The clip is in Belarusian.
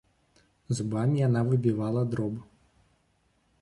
Зубамі яна выбівала дроб.